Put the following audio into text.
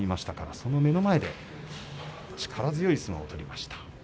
その目の前で力強い相撲を取りました。